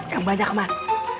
yang banyak man